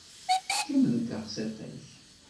Kemmel-d i teqsiṭ-ik.